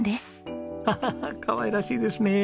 ハハハかわいらしいですね。